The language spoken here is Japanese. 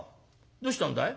どうしたんだい？」。